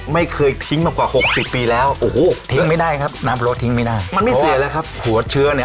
เมื่อของเฮีย